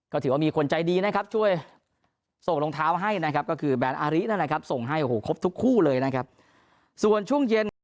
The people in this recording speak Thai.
ก็ถือว่ามีคนใจดีนะครับช่วยส่งรองเท้าให้นะครับก็คือแบนอารินั่นแหละครับส่งให้โอ้โหครบทุกคู่เลยนะครับส่วนช่วงเย็นครับ